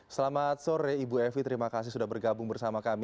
selamat sore ibu evi terima kasih sudah bergabung bersama kami